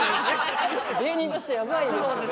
芸人としてやばいですね。